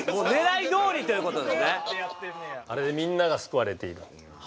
あれでみんなが救われているっていう。